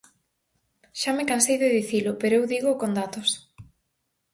Xa me cansei de dicilo, pero eu dígoo con datos.